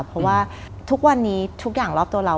เพราะว่าทุกวันนี้ทุกอย่างรอบตัวเรา